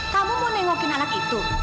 kamu mau nengokin anak itu